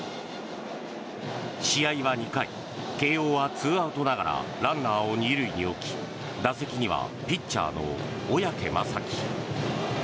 試合は２回慶応は２アウトながらランナーを２塁に置き打席にはピッチャーの小宅雅己。